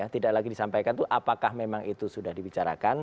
tidak lagi disampaikan itu apakah memang itu sudah dibicarakan